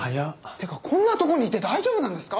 てかこんなとこにいて大丈夫なんですか？